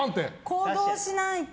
行動しないと。